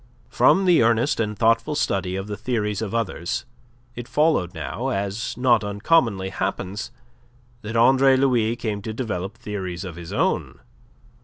From the earnest and thoughtful study of the theories of others, it followed now as not uncommonly happens that Andre Louis came to develop theories of his own.